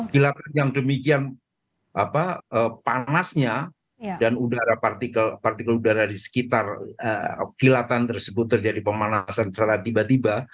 gelatan yang demikian panasnya dan udara partikel udara di sekitar kilatan tersebut terjadi pemanasan secara tiba tiba